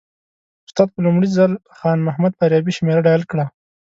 استاد په لومړي ځل خان محمد فاریابي شمېره ډایل کړه.